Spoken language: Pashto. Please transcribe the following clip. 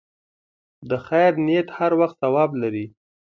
د خیر نیت هر وخت ثواب لري.